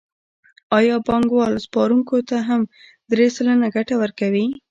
آیا بانکوال سپارونکو ته هم درې سلنه ګټه ورکوي